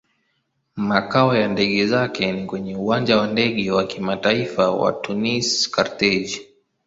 Makao ya ndege zake ni kwenye Uwanja wa Ndege wa Kimataifa wa Tunis-Carthage.